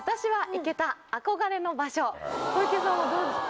小池さんはどうですか？